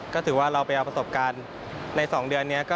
ก็ถือว่าเราไปเอาประสบการณ์ใน๒เดือนนี้